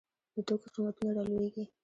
د توکو قیمتونه رالویږي.